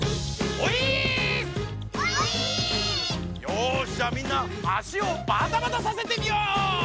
よしじゃあみんな足をバタバタさせてみよう！